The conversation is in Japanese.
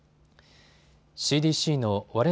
ＣＤＣのワレン